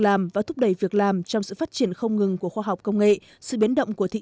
làm và thúc đẩy việc làm trong sự phát triển không ngừng của khoa học công nghệ sự biến động của thị